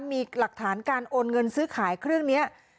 มีหลักฐานการโอนเงินซื้อขายเครื่องนี้